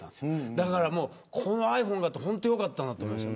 だから、ｉＰｈｏｎｅがあって本当に良かったなと思いました。